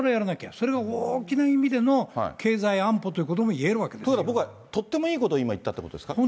それを大きな意味での経済安保とということは、僕はとってもいいことを言ったということですか？